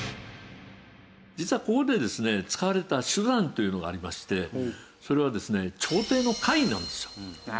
実はここでですね使われた手段というのがありましてそれはですね朝廷の官位なんですよ。